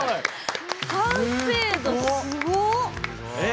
完成度すごっ！